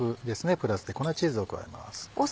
プラスで粉チーズを加えます。